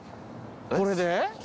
これで？